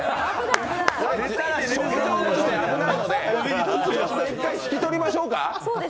症状として危ないので一回引き取りましょうか？